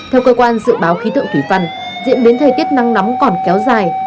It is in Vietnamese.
theo cơ quan dự báo khí tượng thủy văn diễn biến thời tiết nắng nóng còn kéo dài